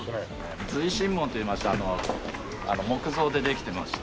隨神門といいまして木造でできてまして。